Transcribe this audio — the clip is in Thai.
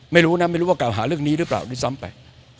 ไม่รู้นะไม่รู้ว่าเก่าหาเรื่องนี้หรือเปล่าด้วยซ้ำไป